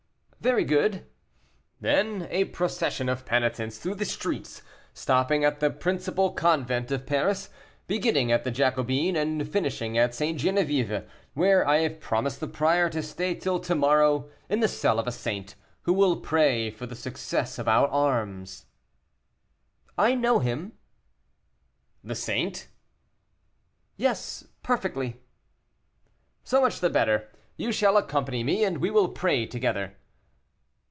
"Very good." "Then, a procession of penitents through the streets, stopping at the principal convente of Paris, beginning at the Jacobine and finishing at St. Geneviève, where I have promised the prior to stay till to morrow in the cell of a saint, who will pray for the success of our arms." "I know him." "The saint?" "Yes, perfectly." "So much the better; you shall accompany me, and we will pray together."